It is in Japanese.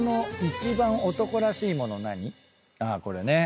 あこれね。